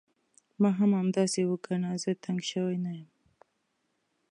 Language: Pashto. ما هم همداسې وګڼه، زه تنګ شوی نه یم.